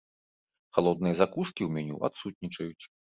Халодныя закускі ў меню адсутнічаюць.